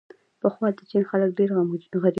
پخوا د چین خلک ډېر غریب وو.